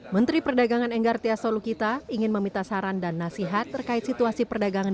menteri perdagangan enggar tia solukita ingin meminta saran dan nasihat terkait situasi perdagangan